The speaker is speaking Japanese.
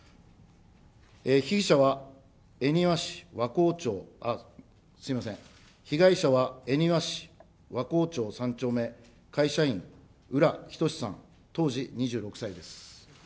被疑者は恵庭市わこう町、すみません、被害者は、恵庭市わこう町３丁目、会社員、浦仁志さん、当時２６歳です。